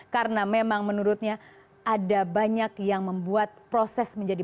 karena memang menurutnya ada banyak yang membuat proses menjadi